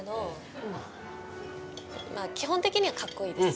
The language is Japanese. まぁ基本的にはカッコいいです。